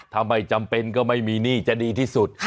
ถ้าไม่จำเป็นก็ไม่มีหนี้จะดีที่สุด